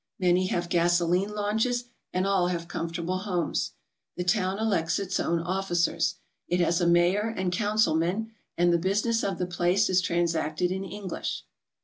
Many have gasoline launches and all have com fortable homes. The town elects its own officers. It has a mayor and councilmen and the business of the place is transacted in English.